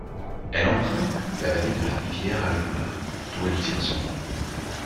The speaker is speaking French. Elle emprunte la vallée de la rivière Albula, d'où elle tire son nom.